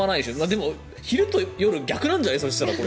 でも昼と夜、逆なんじゃない？